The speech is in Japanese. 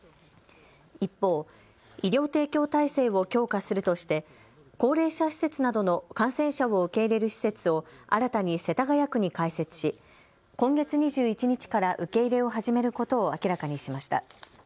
一方、医療提供体制を強化するとして高齢者施設などの感染者を受け入れる施設を新たに世田谷区に開設し今月２１日から受け入れを始めることを明らかにしました。